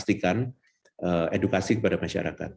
pastikan edukasi kepada masyarakat